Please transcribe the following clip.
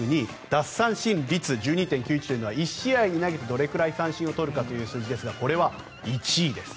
奪三振率１２．９１というのは１試合に投げてどれくらい三振を取るかという数字ですがこれは１位です。